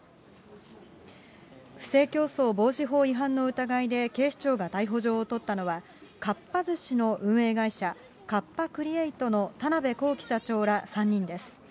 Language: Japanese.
不正競争防止法違反の疑いで警視庁が逮捕状を取ったのは、かっぱ寿司の運営会社、カッパ・クリエイトの田辺公己社長ら３人です。